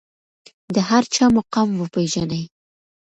د هر چا مقام وپیژنئ.